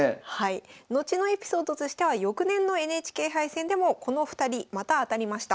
後のエピソードとしては翌年のＮＨＫ杯戦でもこの２人またあたりました。